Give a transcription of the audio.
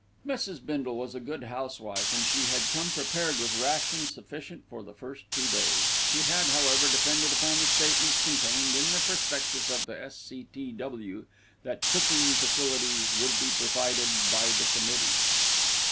Mrs. Bindle was a good housewife, and she had come prepared with rations sufficient for the first two days. She had, however, depended upon the statements contained in the prospectus of the S.C.T.W., that cooking facilities would be provided by the committee.